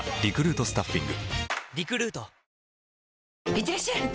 いってらっしゃい！